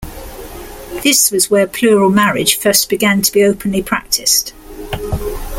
This was where plural marriage first began to be openly practiced.